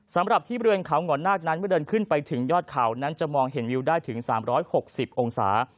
สำหรับที่บริเวณเขาหง่อนนาคนั้นเมื่อเดินขึ้นไปถึงยอดเขานั้นจะมองเห็นวิวได้ถึง๓๖๐องศา